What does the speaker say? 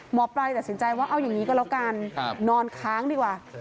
ปลายตัดสินใจว่าเอาอย่างนี้ก็แล้วกันนอนค้างดีกว่า